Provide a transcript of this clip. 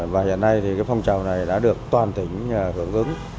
và hiện nay thì cái phong trào này đã được toàn tỉnh hưởng ứng